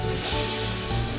mas surya mas surya